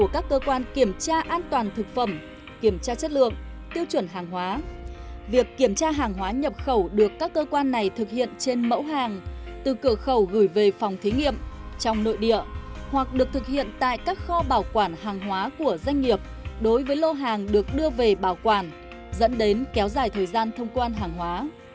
các hàng hóa nhập khẩu được các cơ quan này thực hiện trên mẫu hàng từ cửa khẩu gửi về phòng thí nghiệm trong nội địa hoặc được thực hiện tại các kho bảo quản hàng hóa của doanh nghiệp đối với lô hàng được đưa về bảo quản dẫn đến kéo dài thời gian thông quan hàng hóa